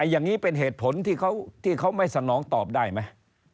อย่างนี้เป็นเหตุผลที่เขาไม่สนองตอบได้ไหม